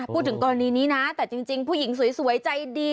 พูดถึงกรณีนี้นะแต่จริงผู้หญิงสวยใจดี